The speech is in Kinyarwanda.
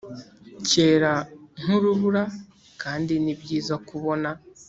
cyera nk'urubura, kandi ni byiza kubona,